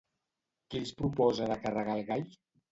Qui els proposa de carregar el gall?